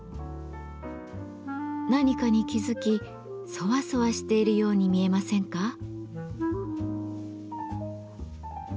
何かに気付きそわそわしているように見えませんか？